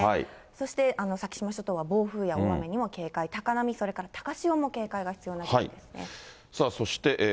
そして先島諸島は暴風や大雨にも警戒、高波、それから高潮も警戒が必要になってきますね。